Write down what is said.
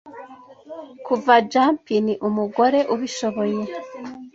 kuva jupin umugore ubishoboye